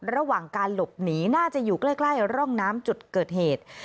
ระหว่างการหลบหนีน่าจะอยู่ใกล้ร่องน้ำจุดเกิดเหตุ